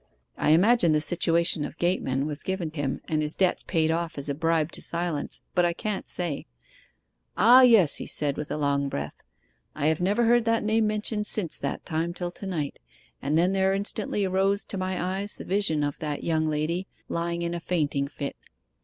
I imagine the situation of gateman was given him and his debts paid off as a bribe to silence; but I can't say. "Ah, yes!" he said, with a long breath. "I have never heard that name mentioned since that time till to night, and then there instantly rose to my eyes the vision of that young lady lying in a fainting fit."